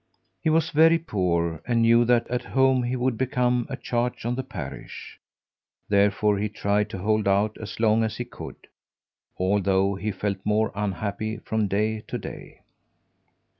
He was very poor and knew that at home he would become a charge on the parish. Therefore he tried to hold out as long as he could, although he felt more unhappy from day to day.